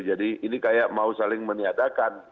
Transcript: jadi ini kayak mau saling meniadakan